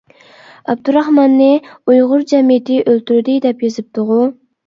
ئابدۇراخماننى ئۇيغۇر جەمئىيىتى ئۆلتۈردى دەپ يېزىپتىغۇ.